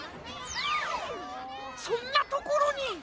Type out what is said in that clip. そんなところに。